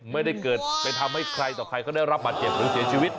ไม่ได้เกิดไปทำให้ใครต่อใครก็ได้รับบาดเจ็บหรือเสียชีวิต